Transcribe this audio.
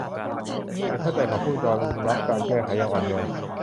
ฉันเข้าใจเขาพูดยอมรับการแก้ไขอย่างอ่อนโยน